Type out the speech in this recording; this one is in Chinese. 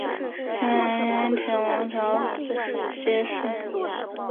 匈牙利安茄王朝自此结束。